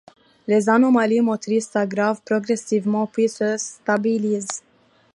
Les anomalies motrices s'aggravent progressivement puis se stabilisent.